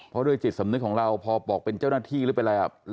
เพราะด้วยจิตสำนึกของเราพอบอกเป็นเจ้าหน้าที่หรือเป็นอะไร